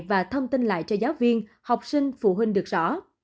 và thông tin lại cho giáo viên học sinh phụ huynh được rõ